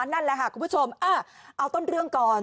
นั่นแหละค่ะคุณผู้ชมเอาต้นเรื่องก่อน